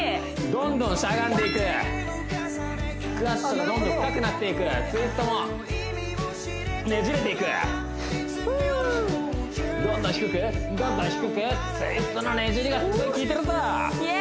どんどんしゃがんでいくスクワットがどんどん深くなっていくツイストもねじれていくどんどん低くどんどん低くツイストのね